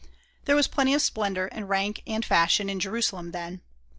There was plenty of splendor, and rank, and fashion in Jerusalem then.